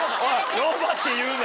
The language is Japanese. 老婆って言うな。